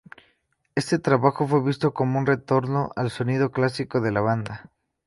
Este trabajo fue visto como un retorno al sonido clásico de la banda.